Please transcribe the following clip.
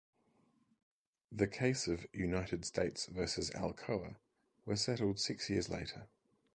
The case of "United States versus Alcoa" was settled six years later.